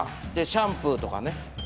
シャンプーとかね。